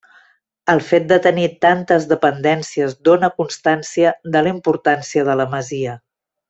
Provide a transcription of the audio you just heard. El fet de tenir tantes dependències dóna constància de la importància de la masia.